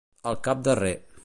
Al cap darrer.